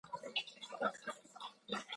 د معروف ولسوالۍ غرنۍ ده